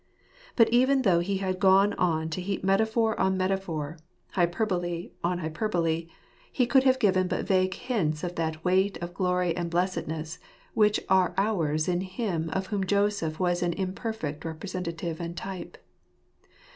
But even though he had gone on to heap metaphor on Uorir t& itt|r helper.' ' 171 metaphor, hyperbole on hyperbole, he could have given but vague hints of that weight of glory and blessedness which are ours in Him of whom Joseph was an imperfect representative and type.